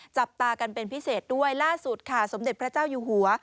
จับตากันเป็นพิเศษด้วยล่าสุดค่ะสมเด็จพระเจ้าอยู่หัว